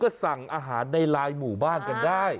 ก็สั่งอาหารในลายหมู่บ้านกันได้